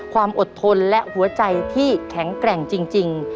ความอดทนและหัวใจที่แข็งแกร่งจริง